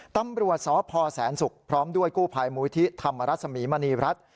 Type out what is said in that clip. ตำรวจสพแสนศุกร์พร้อมด้วยกู้ภัยมูลิธิธรรมรัศมีมณีรัฐ